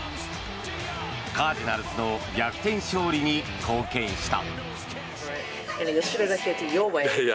カージナルスの逆転勝利に貢献した。